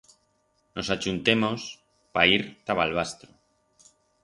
Nos achuntemos pa ir ta Balbastro.